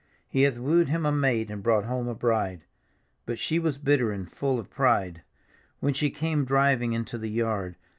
He hath wooed him a maid and brought home a bride. But she was bitter and full of pride. When ^e came driving into the yard.